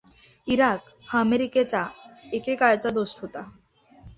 Iraq हा अमेरिकेचा एकेकाळचा दोस्त होता.